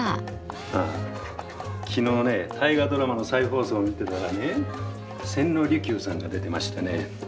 あ昨日ね大河ドラマの再放送を見てたらね千利休さんが出てましてね。